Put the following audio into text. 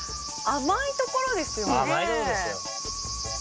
甘いとこですよ。